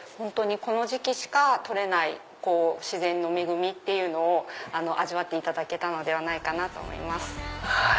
この時期しか採れない自然の恵みっていうのを味わっていただけたと思います。